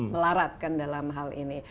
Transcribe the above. melaratkan dalam hal ini